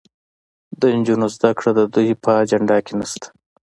د نجونو زدهکړه د دوی په اجنډا کې نشته.